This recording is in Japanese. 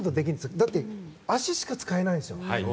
だって、足しか使えないんですよ？